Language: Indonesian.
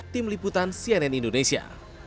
tim liputan cnn indonesia